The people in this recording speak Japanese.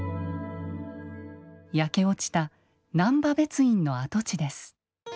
焼け落ちた難波別院の跡地です。